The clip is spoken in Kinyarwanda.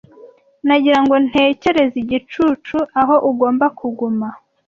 nagira ngo ntekereze igicucu aho ugomba kuguma